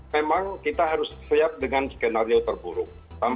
memang kita harus siap dengan skenario terburuk